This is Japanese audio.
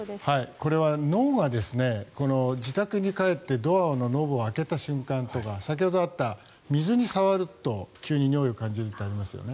これは脳が自宅に帰ってドアのノブを開けた瞬間とか先ほどあった水に触ると急に尿意を感じるってありましたよね。